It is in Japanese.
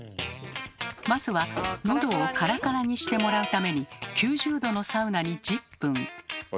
まずはのどをカラカラにしてもらうために９０℃のサウナに１０分。